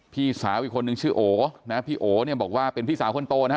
พี่สาวอีกคนนึงชื่อโอนะพี่โอเนี่ยบอกว่าเป็นพี่สาวคนโตนะฮะ